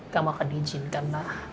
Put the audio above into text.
kamu akan diizinkan lah